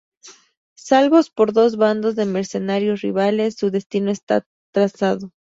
Salvos por dos bandos de mercenarios rivales, su destino está trazado.